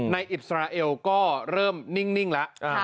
อิสราเอลก็เริ่มนิ่งแล้ว